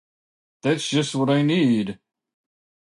That's just what I need!